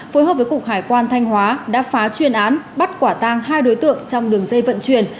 phối hợp với cục hải quan thanh hóa đã phá chuyên án bắt quả tang hai đối tượng trong đường dây vận chuyển